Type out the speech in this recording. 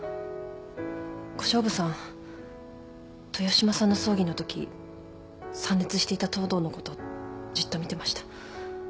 小勝負さん豊島さんの葬儀のとき参列していた藤堂のことじっと見てました。